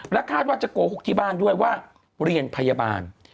คาดว่าจะโกหกที่บ้านด้วยว่าเรียนพยาบาล